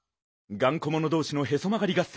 がんこものどうしのへそまがり